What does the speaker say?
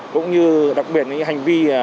cũng như đặc biệt những hành vi